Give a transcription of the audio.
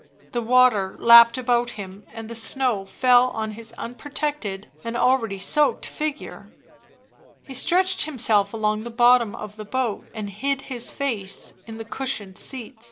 The water lapped about him, and the snow fell on his unprotected and already soaked figure; he stretched himself along the bottom of the boat and hid his face in the cushioned seat.